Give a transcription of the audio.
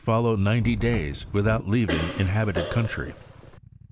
xvii follow ninety days without leaving inhabited country.